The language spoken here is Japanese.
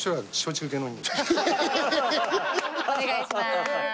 お願いします。